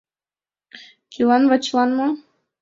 Кӧлан, Вачилан мо?